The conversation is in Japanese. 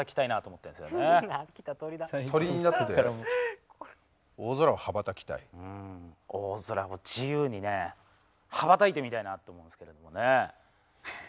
うん大空を自由にね羽ばたいてみたいなと思うんですけれどもね。